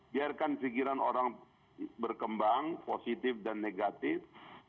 biarkan pikiran orang berkembang positif dan negatif